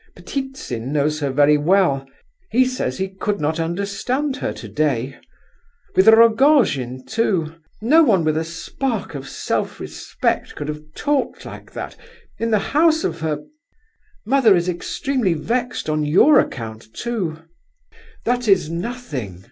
Ptitsin knows her very well; he says he could not understand her today. With Rogojin, too! No one with a spark of self respect could have talked like that in the house of her... Mother is extremely vexed on your account, too... "That is nothing!"